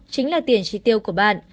chính là tiền tri tiêu của bạn